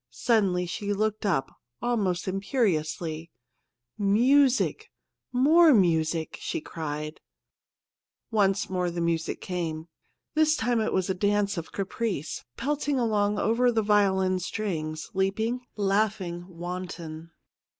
Suddenly she looked up, almost imperiously. ' Music ! more music !' she cried. Once more the music came. This time it was a dance of caprice, pelt ing along over the violin strings, leaping, laughing, wanton.